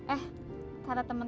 eh karena temenku